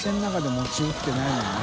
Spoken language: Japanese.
罎餅打ってないもんね。